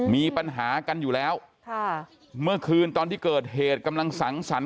มีปัญหากันอยู่แล้วค่ะเมื่อคืนตอนที่เกิดเหตุกำลังสังสรรค